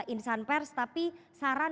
insan pers tapi saran